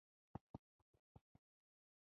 انحصار له منځه تګ انګرېز نساجانو ته فرصت ورکړ.